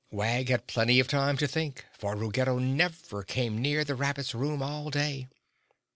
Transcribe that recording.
Wag had plenty of time to think, for Ruggedo never came near the rabbit's room all day.